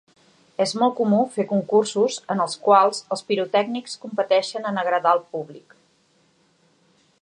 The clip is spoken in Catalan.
És molt comú fer concursos, en els quals, els pirotècnics competeixen en agradar el públic.